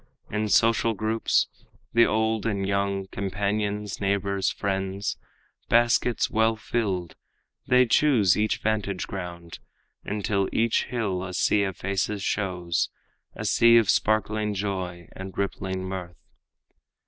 In social groups, The old and young, companions, neighbors, friends, Baskets well filled, they choose each vantage ground, Until each hill a sea of faces shows, A sea of sparkling joy and rippling mirth.